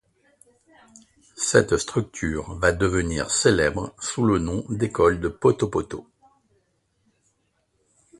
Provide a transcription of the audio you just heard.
Cette structure va devenir célèbre sous le nom d’École de Poto-Poto.